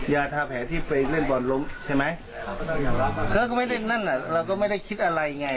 ยาทาแผลที่ไปเล่นบอลล้มใช่ไหมเขาก็ไม่ได้นั่นอ่ะเราก็ไม่ได้คิดอะไรไง